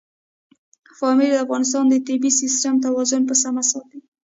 پامیر د افغانستان د طبعي سیسټم توازن په سمه ساتي.